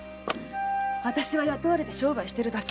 私は雇われて商売してるだけ。